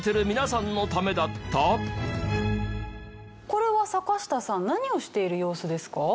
これは坂下さん何をしている様子ですか？